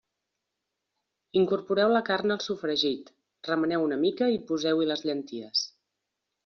Incorporeu la carn al sofregit, remeneu una mica i poseu-hi les llenties.